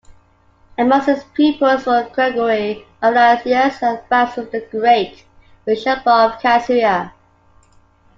Amongst his pupils were Gregory of Nazianzus and Basil the Great, bishop of Caesarea.